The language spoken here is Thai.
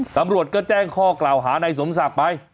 ตำรวจก็แจ้งข้อกล่าวหานายสมศักดิ์ไป